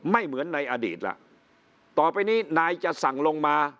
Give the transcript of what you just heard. ไม่เหมือนในอดีตล่ะต่อไปนี้นายจะสั่งลงมา